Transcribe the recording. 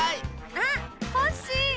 あコッシー！